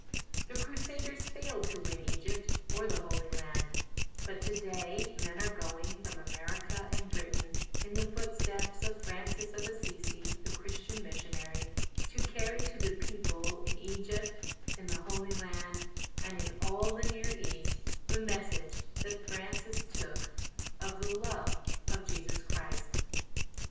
The Crusaders failed to win Egypt or the Holy Land; but to day men are going from America and Britain in the footsteps of Francis of Assisi the Christian missionary, to carry to the people in Egypt, in the Holy Land and in all the Near East, the message that Francis took of the love of Jesus Christ.